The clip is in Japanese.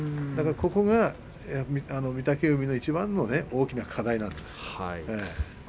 ここは御嶽海の一番の大きな課題なんですね。